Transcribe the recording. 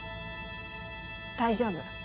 大丈夫。